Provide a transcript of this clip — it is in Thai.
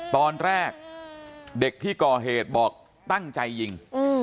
ตอนแรกเด็กที่ก่อเหตุบอกตั้งใจยิง